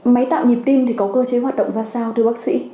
máy tạo nhịp tim có cơ chế hoạt động ra sao